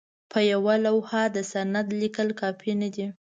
په یوه لوحه د سند لیکل کافي نه دي.